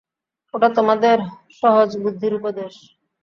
ওটা তোমাদের সহজবুদ্ধির উপদেশ।